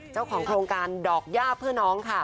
เจ้าของกองการดอกหญ้าพรุ่อน้อง